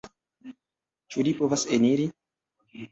Ĉu li povas eniri?